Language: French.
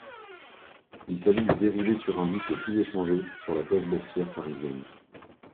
Il s'agit du dérivé sur indice le plus échangé sur la place boursière parisienne.